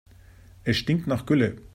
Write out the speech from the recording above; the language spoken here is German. Es stinkt nach Gülle.